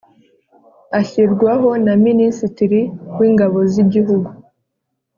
Ashyirwaho na minisitiri w ingabo z igihugu